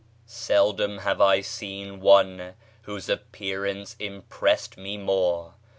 Seldom have I seen one whose appearance impressed me more.